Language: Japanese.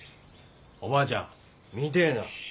おばあちゃん見てえな。